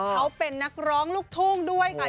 เขาเป็นนักร้องลูกทุ่งด้วยค่ะ